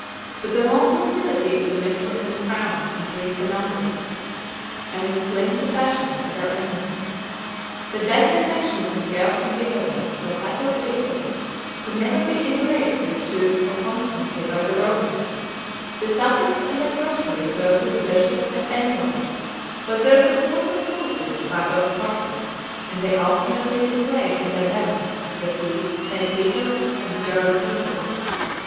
But the long hostility of the mitre and the crown increased the numbers, and inflamed the passions, of their enemies. The deadly factions of the Guelphs and Ghibelines, so fatal to Italy, could never be embraced with truth or constancy by the Romans, the subjects and adversaries both of the bishop and emperor; but their support was solicited by both parties, and they alternately displayed in their banners the keys of St. Peter and the German eagle.